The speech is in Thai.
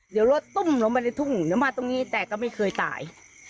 เดี๋ยวรถตุ้มลงไปในทุ่งเดี๋ยวมาตรงนี้แต่ก็ไม่เคยตาย